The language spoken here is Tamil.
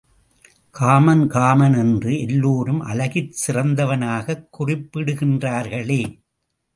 காமன் காமன் என்று எல்லோரும் அழகிற் சிறந்தவனாகக் குறிப்பிடுகின்றார்களே?